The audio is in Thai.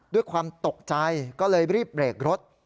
ด้วยความตกใจก็เลยรีบเบรกรถ